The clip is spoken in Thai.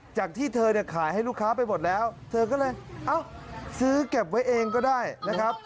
จากที่เธอเนี่ยขายให้ลูกค้าไปหมดแล้วเธอก็เลยเอ้าซื้อเก็บไว้เองก็ได้นะครับ